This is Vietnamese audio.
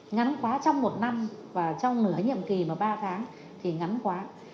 ngắn quá trong một năm và trong nửa nhiệm kỳ mà ba tháng thì ngắn quá